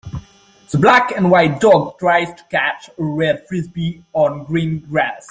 The black and white dog tries to catch a red Frisbee on green grass.